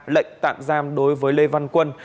lệnh tạm giam đối với lê văn quân